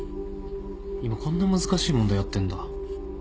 今こんな難しい問題やってんだ。